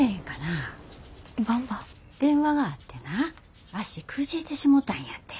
電話があってな足くじいてしもたんやて。